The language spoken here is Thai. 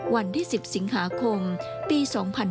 วันที่๑๐สิงหาคมปี๒๕๕๙